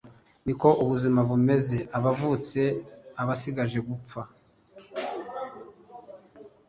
niko ubuzima bumeze uwavutse abasigaje gupfa